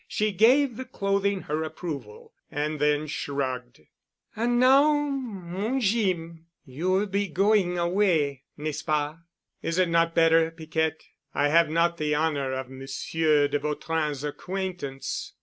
She gave the clothing her approval and then shrugged. "An' now, mon Jeem, you will be going away, n'est ce pas?" "Is it not better, Piquette? I have not the honor of Monsieur de Vautrin's acquaintance."